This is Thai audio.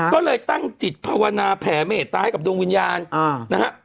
ก็เลยตั้งจิตภาวนาแผ่เมตตาให้กับดวงวิญญาณนะฮะ